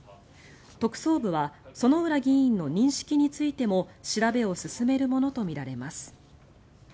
特捜部は薗浦議員の認識についても調べを進めるものとみられます。